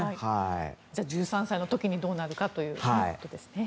じゃあ、１３歳の時にどうなるかということですね。